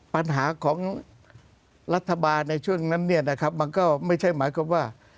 ปัญหาของรัฐบาลในช่วงนั้นมันก็ไม่ใช่หมายความว่า